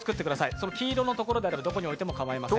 その黄色いところならどこに置いても構いません。